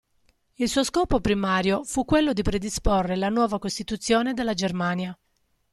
Il suo scopo primario fu quello di predisporre la nuova costituzione della Germania.